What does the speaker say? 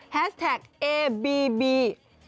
แฮสแท็กเอบีบี